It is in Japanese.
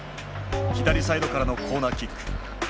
左サイドからのコーナーキック。